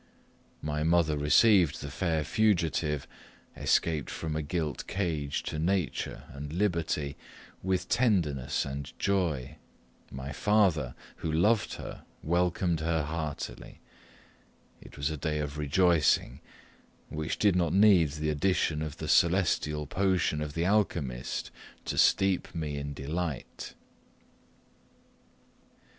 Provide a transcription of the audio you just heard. My mother received the fair fugitive, escaped from a gilt cage to nature and liberty, with tenderness and joy; my father, who loved her, welcomed her heartily; it was a day of rejoicing, which did not need the addition of the celestial potion of the alchymist to steep me in delight.